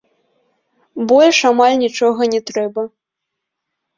Больш амаль нічога не трэба.